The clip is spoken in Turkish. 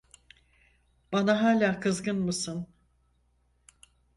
Bana hala kızgın mısın?